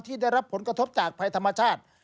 ได้รับผลกระทบจากภัยธรรมชาติ